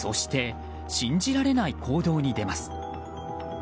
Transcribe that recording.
そして信じられない行動に出ます。